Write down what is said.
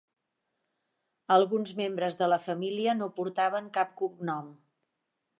Alguns membres de la família no portaven cap cognom.